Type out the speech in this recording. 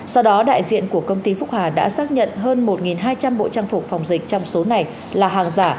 sau đó đại diện của công ty phúc hà đã xác nhận hơn một hai trăm linh bộ trang phục phòng dịch trong số này là hàng giả